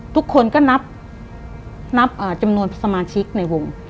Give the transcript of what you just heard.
ทุกคนก็นับจำนวนสมาชิกในวง